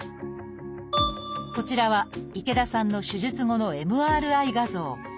こちらは池田さんの手術後のＭＲＩ画像。